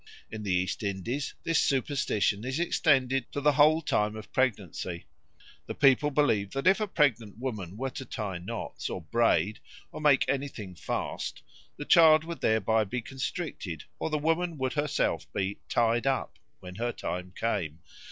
In the East Indies this superstition is extended to the whole time of pregnancy; the people believe that if a pregnant woman were to tie knots, or braid, or make anything fast, the child would thereby be constricted or the woman would herself be "tied up" when her time came.